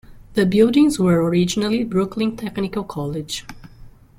The buildings were originally Brooklyn Technical College.